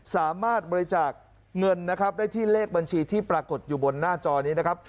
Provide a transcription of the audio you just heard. สามารถบริจาคเงินนะครับได้ที่เลขบัญชีที่ปรากฏอยู่บนหน้าจอนี้นะครับ